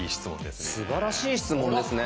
すばらしい質問ですね。